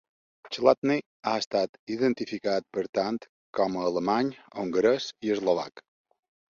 Chladni ha estat identificat per tant com a alemany, hongarès i eslovac.